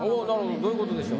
どういうことでしょう？